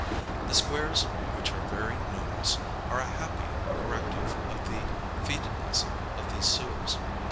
The squares, which are very numerous, are a happy cor rective of the fcetidness of these sewers.